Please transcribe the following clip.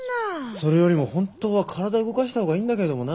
それよりも本当は体動かした方がいいんだけどもな。